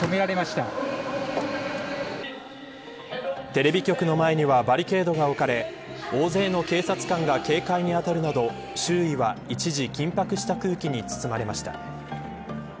テレビ局の前にはバリケードが置かれ大勢の警察官が警戒に当たるなど周囲は一時緊迫した空気に包まれました。